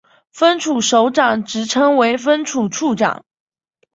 分处首长职称为分处处长。